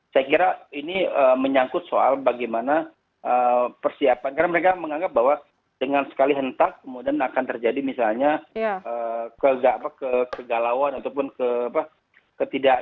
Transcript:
saya kira ini menyangkut soal bagaimana persiapan karena mereka menganggap bahwa dengan sekali hentak kemudian akan terjadi misalnya kegalauan ataupun ketidak